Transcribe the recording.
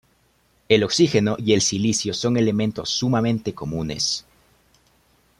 El Oxígeno y el silicio son elementos sumamente comunes.